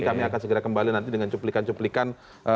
kami akan segera kembali nanti dengan cuplikan cuplikan